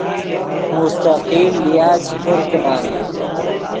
مستقل لیا چے کرکینم